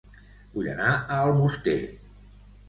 Vull anar a Almoster